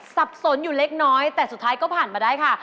สับสนอยู่เล็กน้อยแต่สุดท้ายก็ผ่านมาได้ค่ะ